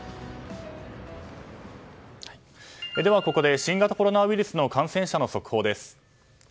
ここで新型コロナウイルスの感染者の速報です。